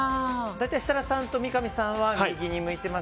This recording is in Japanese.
大体、設楽さんと三上さんは右に向いてます。